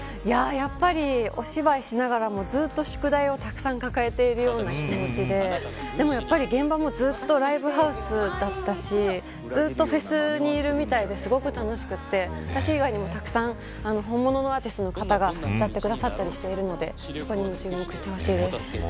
やはりお芝居をしながらもずっと宿題を抱えているような気持ちで現場もずっとライブハウスだったしずっとフェスにいるみたいで楽しくて私以外にもたくさん本物のアーティストが歌ったりしているので注目してほしいです。